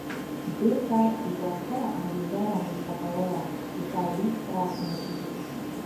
دې کار یوه ستره انګېزه رامنځته کوله چې تولید پراخ نه شي